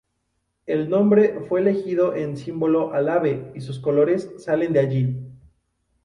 El nombre fue elegido en símbolo al ave y sus colores salen de allí.